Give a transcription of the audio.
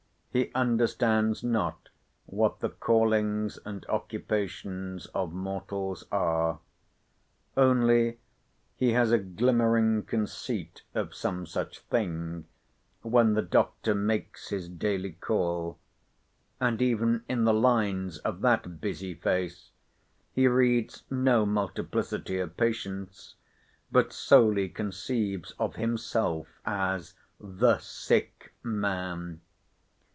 He understands not what the callings and occupations of mortals are; only he has a glimmering conceit of some such thing, when the doctor makes his daily call: and even in the lines of that busy face he reads no multiplicity of patients, but solely conceives of himself as the sick man.